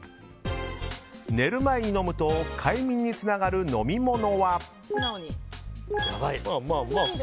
寝る前に飲むと快眠につながる飲み物は？